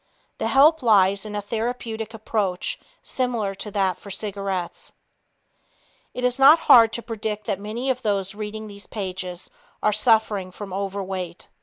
The help lies in a therapeutic approach similar to that for cigarettes. It is not hard to predict that many of those reading these pages are suffering from overweight.